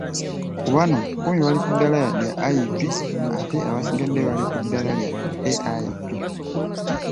Kubano, kkumi bali kuddaala lya IP ate abasigadde bali ku ddaala lya AIP.